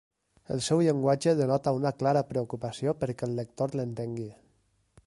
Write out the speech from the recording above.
El seu llenguatge denota una clara preocupació perquè el lector l'entengui.